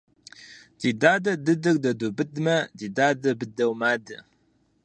Ди дадэ дыдыр дэдубыдмэ, ди дадэ быдэу мадэ.